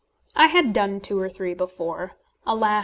I had done two or three before. Alas!